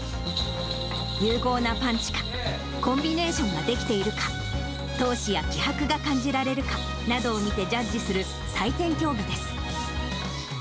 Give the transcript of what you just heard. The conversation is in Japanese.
有効なパンチか、コンビネーションができているか、闘志や気迫が感じられるか、などを見てジャッジする採点競技です。